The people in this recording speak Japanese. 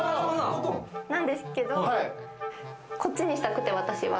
なんですけど、こっちにしたくて、私は。